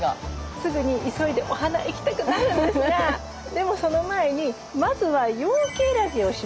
すぐに急いでお花行きたくなるんですがでもその前にまずは容器選びをしましょう。